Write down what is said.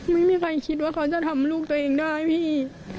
ไม่มีใครคิดว่าเขาจะทำลูกตัวเองได้พี่